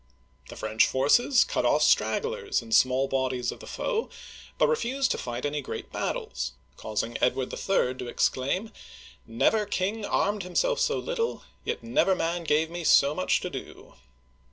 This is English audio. The French forces cut off stragglers and small bodies of the foe, but refused to fight any great battles, causing Edward III. to exclaim, Never king armed himself so little, yet never man gave me so much to do!